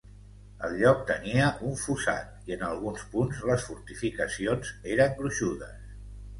El lloc tenia un fossat i, en alguns punts, les fortificacions eren gruixudes.